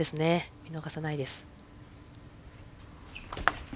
見逃さないです。